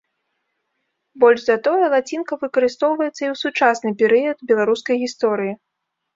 Больш за тое, лацінка выкарыстоўваецца і ў сучасны перыяд беларускай гісторыі.